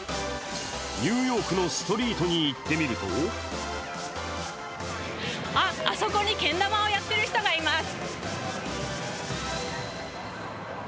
ニューヨークのストリートに行ってみるとあっ、あそこにけん玉をやっている人がいます。